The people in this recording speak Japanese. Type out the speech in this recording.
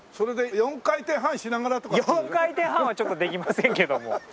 ４回転半はちょっとできませんけども。